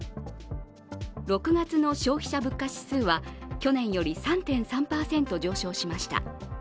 ６月の消費者物価指数は去年より３．３％上昇しました。